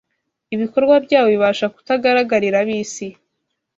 Ibikorwa byabo bibasha kutagaragarira ab’isi